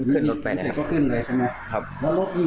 เข้าไปทางนี้